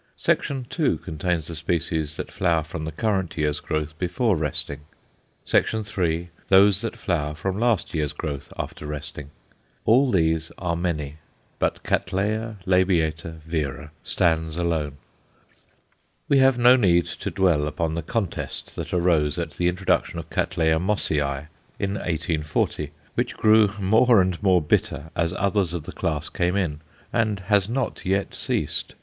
Section II. contains the species that flower from the current year's growth before resting. Section III., those that flower from last year's growth after resting. All these are many, but C. l. vera stands alone. [Illustration: CATTLEYA LABIATA. Reduced to One Sixth.] We have no need to dwell upon the contest that arose at the introduction of Cattleya Mossiæ in 1840, which grew more and more bitter as others of the class came in, and has not yet ceased.